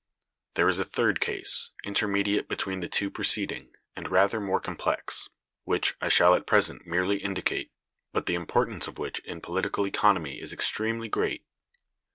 ] (3.) There is a third case, intermediate between the two preceding, and rather more complex, which I shall at present merely indicate, but the importance of which in political economy is extremely great.